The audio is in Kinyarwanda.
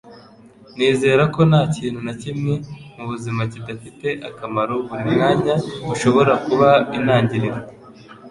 Nizera ko nta kintu na kimwe mu buzima kidafite akamaro buri mwanya ushobora kuba intangiriro.” -